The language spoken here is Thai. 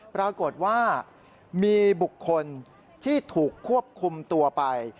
ปรากฏว่ามีบุคคลที่ถูกควบคุมตัวไป